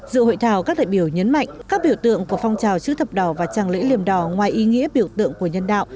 dự hội thảo các đại biểu nhấn mạnh các biểu tượng của phong trào chữ thập đỏ và tràng lễ liềm đỏ ngoài ý nghĩa biểu tượng của nhân đạo